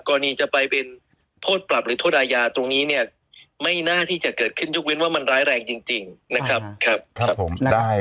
กรณีจะไปเป็นโทษปรับหรือโทษอาญาตรงนี้เนี่ยไม่น่าที่จะเกิดขึ้นยกเว้นว่ามันร้ายแรงจริงนะครับครับผม